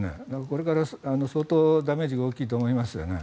これから相当ダメージが大きいと思いますよね。